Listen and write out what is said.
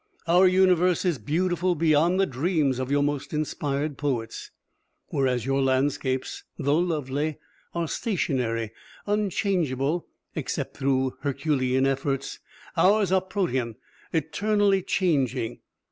"Our universe is beautiful beyond the dreams of your most inspired poets. Whereas your landscapes, though lovely, are stationary, unchangeable except through herculean efforts, ours are Protean, eternally changing.